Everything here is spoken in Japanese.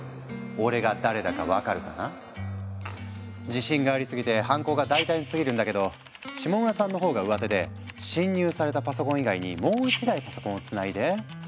自信がありすぎて犯行が大胆すぎるんだけど下村さんの方がうわてで侵入されたパソコン以外にもう一台パソコンをつないで。